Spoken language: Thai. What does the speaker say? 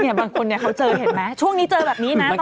เนี่ยบางคนเนี่ยเขาเจอเห็นไหม